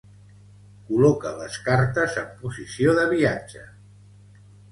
Col·loca les cartes en posició de viatge.